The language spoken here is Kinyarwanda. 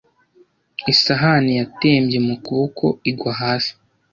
Isahani yatembye mu kuboko igwa hasi.